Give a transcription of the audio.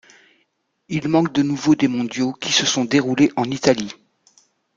Il manque de nouveau des Mondiaux qui se sont déroulés en Italie.